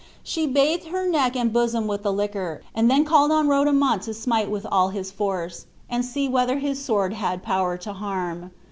She bathed her neck and bosom with the liquor, and then called on Rodomont to smite with all his force, and see whether his sword had power to harm.